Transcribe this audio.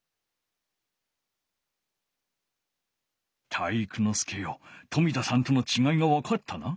体育ノ介よ冨田さんとのちがいがわかったな。